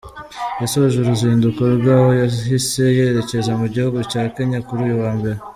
Yasoje uruzinduko rwe aho yahise yerekeza mu gihugu cya Kenya kuri uyu wa mbere.